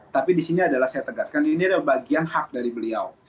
tapi di sini adalah saya tegaskan ini adalah bagian hak dari beliau